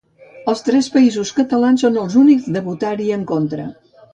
Els tres països catalans són els únics de votar-hi en contra.